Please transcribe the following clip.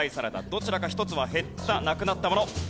どちらか１つは減った・なくなったもの。